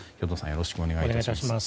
よろしくお願いします。